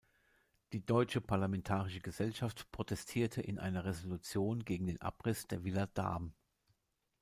Die Deutsche Parlamentarische Gesellschaft protestierte in einer Resolution gegen den Abriss der Villa Dahm.